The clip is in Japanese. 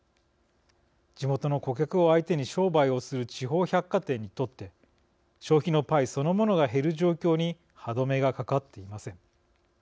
地元の顧客を相手に商売をする地方百貨店にとって消費のパイそのものが減る状況に歯止めがかかっていません。